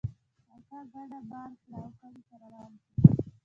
اکا کډه بار کړه او کلي ته روان سو.